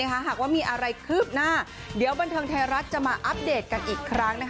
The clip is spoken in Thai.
หากว่ามีอะไรคืบหน้าเดี๋ยวบันเทิงไทยรัฐจะมาอัปเดตกันอีกครั้ง